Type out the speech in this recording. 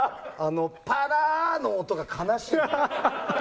パラー！の音が悲しい。